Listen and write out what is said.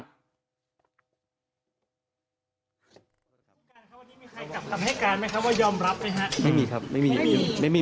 วันนี้มีใครกลับกลับให้การไหมครับว่ายอมรับไหมฮะไม่มีครับไม่มี